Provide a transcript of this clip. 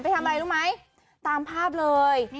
ทำอะไรรู้ไหมตามภาพเลย